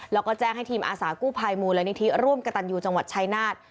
แล้วก็แจ้งให้ทีมอาสากู้ภัยมูลนิธิร่วมกระตันยูจังหวัดชายนาฏ